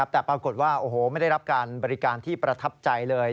แต่ปรากฏว่าโอ้โหไม่ได้รับการบริการที่ประทับใจเลย